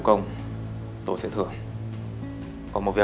con gái à